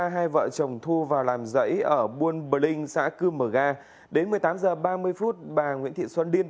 hai vợ chồng thu vào làm giấy ở buôn bờ linh xã cư mờ ga đến một mươi tám h ba mươi bà nguyễn thị xuân điên